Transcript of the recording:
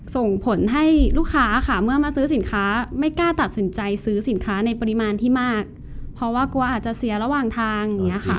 ส่งผลให้ลูกค้าค่ะเมื่อมาซื้อสินค้าไม่กล้าตัดสินใจซื้อสินค้าในปริมาณที่มากเพราะว่ากลัวอาจจะเสียระหว่างทางอย่างเงี้ยค่ะ